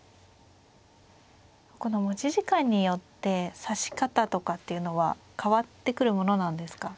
この持ち時間によって指し方とかっていうのは変わってくるものなんですか。